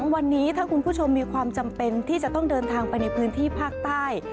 วันนี้ถ้าคุณผู้ชมมีความจำเป็นที่จะต้องเดินทางไปในพื้นที่ภาคใต้